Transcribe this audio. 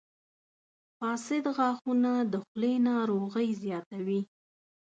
• فاسد غاښونه د خولې ناروغۍ زیاتوي.